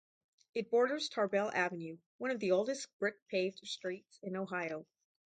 It borders Tarbell Avenue, one of the oldest brick-paved streets in Ohio.